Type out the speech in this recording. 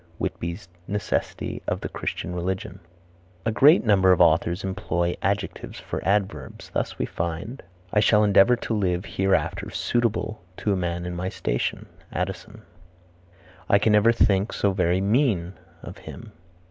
Whitby's Necessity of the Christian Religion. A great number of authors employ adjectives for adverbs. Thus we find: "I shall endeavor to live hereafter suitable to a man in my station." Addison. "I can never think so very mean of him."